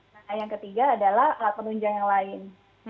nah yang ketiga adalah alat penunjang yang lain